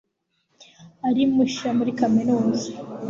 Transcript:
ari mushya muri kaminuza